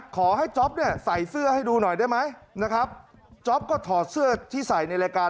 ขอให้จ๊อปเนี่ยใส่เสื้อให้ดูหน่อยได้ไหมนะครับจ๊อปก็ถอดเสื้อที่ใส่ในรายการ